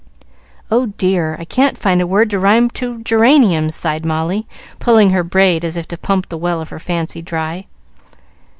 "Oh, dear! I can't find a word to rhyme to 'geranium,'" sighed Molly, pulling her braid, as if to pump the well of her fancy dry.